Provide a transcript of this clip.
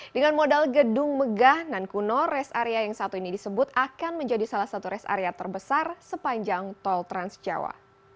dengan modal gedung megah dan kuno rest area yang satu ini disebut akan menjadi salah satu rest area terbesar sepanjang tol transjawa